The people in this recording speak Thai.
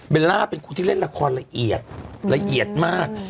ล่าเป็นคนที่เล่นละครละเอียดละเอียดมาก